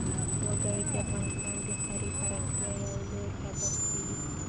وګړي د افغانستان د ښاري پراختیا یو لوی سبب کېږي.